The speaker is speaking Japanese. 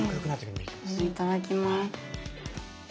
いただきます。